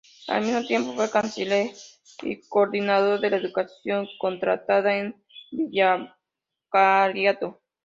Al mismo tiempo fue Canciller y Coordinador de la educación contratada en el Vicariato.